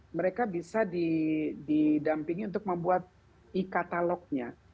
mereka bisa didampingi untuk membuat e katalognya